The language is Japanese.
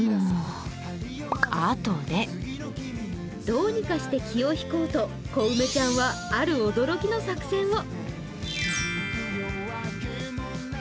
どうかにして気を引こうと、小梅ちゃんは、ある驚きの作戦を。